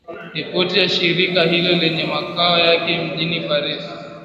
Ripoti ya shirika hilo lenye makao yake mjini Paris